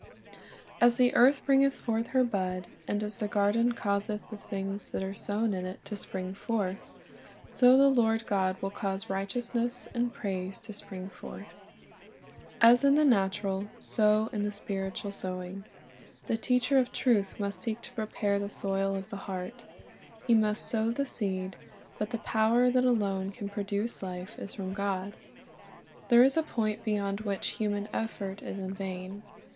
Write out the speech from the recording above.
"As the earth bringeth forth her bud, and as the garden causeth the things that are sown in it to spring forth, so the Lord God will cause righteousness and praise to spring forth." ^ As in the natural, so in the spiritual sowing; the teacher of truth must seek to prepare the soil of the heart; he must sow the seed; but the power that alone can J Isa. 61 : 11 ( 64 Ch ri s t^s Object Lessons produce life is from God. There is a point beyond which human effort is in vain.